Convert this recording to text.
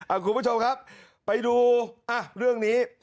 คุณผู้ชมครับไปดูอ่ะเรื่องนี้